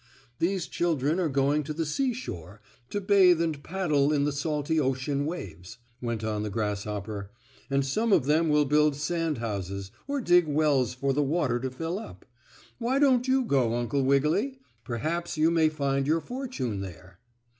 "These children are going to the seashore to bathe and paddle in the salty ocean waves," went on the grasshopper, "and some of them will build sand houses, or dig wells for the water to fill up. Why don't you go, Uncle Wiggily? Perhaps you may find your fortune there."